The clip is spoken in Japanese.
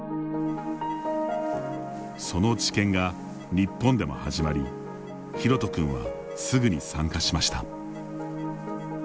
その治験が日本でも始まりヒロト君は、すぐに参加しました。